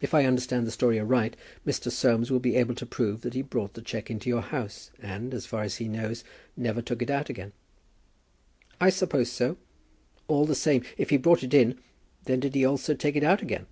If I understand the story aright, Mr. Soames will be able to prove that he brought the cheque into your house, and, as far as he knows, never took it out again." "I suppose so; all the same, if he brought it in, then did he also take it out again."